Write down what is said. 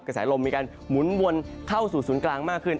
กระแสลมมีการหมุนวนเข้าสู่ศูนย์กลางมากขึ้น